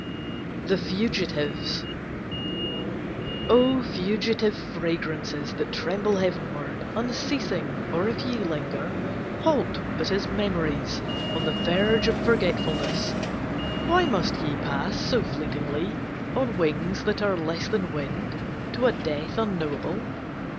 THE FUGITIVES O fugitive fragrances That tremble heavenward Unceasing, or if ye linger, Halt but as memories On the verge of forgetfulness, Why must ye pass so fleetly On wings that are less than wind, To a death unknowable?